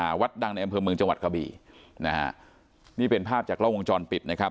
มีอังกฤษวัดดังในอำเภอมืองจังหวัดกราบีนะฮะนี่เป็นภาพจากล่องจรปิดนะครับ